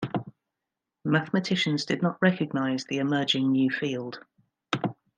Mathematicians did not recognize the emerging new field.